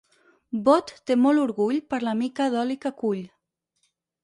Bot té molt orgull per la mica d'oli que cull.